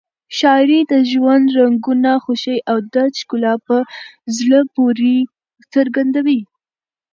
شاعري د ژوند رنګونه، خوښۍ او درد ښکلا په زړه پورې څرګندوي.